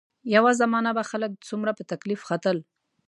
یوه زمانه به خلک څومره په تکلیف ختل.